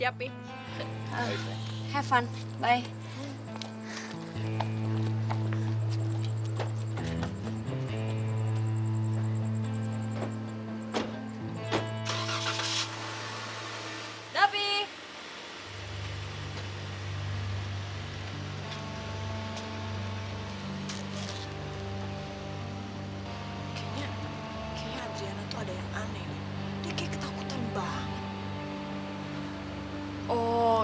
apapun yang kamu mau